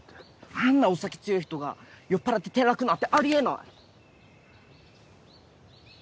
あんなお酒強い人が酔っぱらって転落なんてあり得ない！